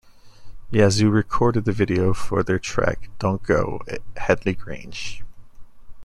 Yazoo recorded the video for their track "Don't Go" at Headley Grange.